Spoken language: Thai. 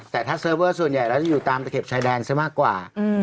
แต่ถ้าเซิร์ฟเวอร์ส่วนใหญ่แล้วจะอยู่ตามตะเข็บชายแดนซะมากกว่า